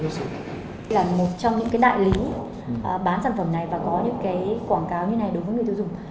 đây là một trong những cái đại lý bán sản phẩm này và có những cái quảng cáo như này đối với người sử dụng